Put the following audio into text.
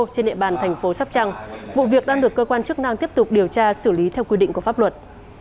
trên địa bàn thành phố sắp trăng vụ việc đang được cơ quan chức năng tiếp tục điều tra xử lý theo quy định của pháp luật